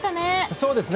そうですね。